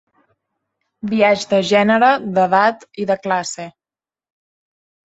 Biaix de gènere, d’edat i de classe.